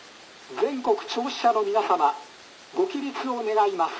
全国聴取者の皆様ご起立を願います」。